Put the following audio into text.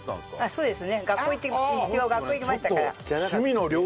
そうです。